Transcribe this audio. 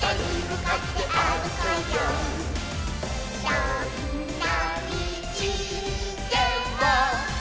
「どんなみちでも」